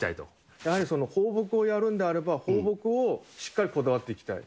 やはり放牧をやるんであれば、放牧をしっかりこだわっていきたい。